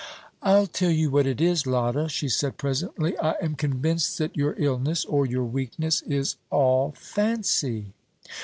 "I'll tell you what it is, Lotta," she said presently, "I am convinced that your illness or your weakness is all fancy."